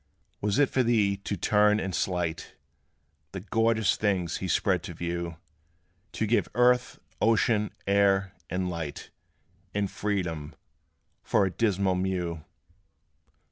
Was it for thee to turn and slight The glorious things he spread to view To give earth, ocean, air, and light, And freedom, for a dismal mew?